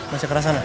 masih ke sana